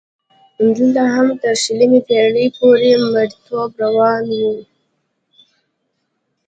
دلته هم تر شلمې پېړۍ پورې مریتوب روان و.